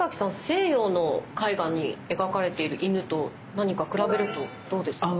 西洋の絵画に描かれている犬と何か比べるとどうですか？